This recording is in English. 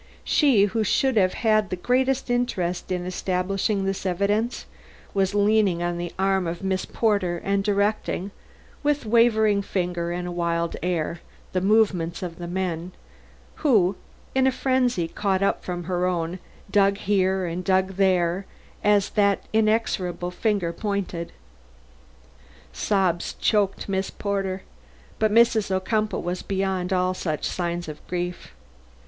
She who should have had the greatest interest in establishing this evidence was leaning on the arm of Miss Porter and directing, with wavering finger and a wild air, the movements of the men, who, in a frenzy caught from her own, dug here and dug there as that inexorable finger pointed. Sobs choked Miss Porter; but Mrs. Ocumpaugh was beyond all such signs of grief.